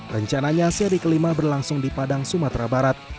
rencananya seri kelima berlangsung di padang sumatera barat